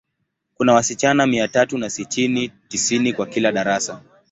Kuna wasichana mia tatu na sitini, tisini kwa kila darasa.